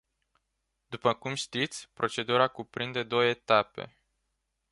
După cum știți, procedura cuprinde două etape.